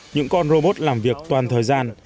những con robot làm việc toàn thời gian